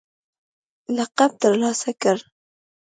لقب ترلاسه کړ